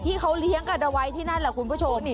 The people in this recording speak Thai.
ที่เขาเลี้ยงกันเอาไว้ที่นั่นแหละคุณผู้ชม